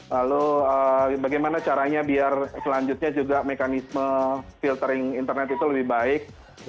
lalu bagaimana caranya biar selanjutnya juga mekanisme filtering internet itu lebih baik